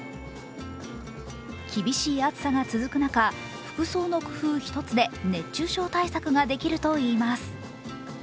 厳しい暑さが続く中、服装の工夫一つで熱中症対策ができるといいます。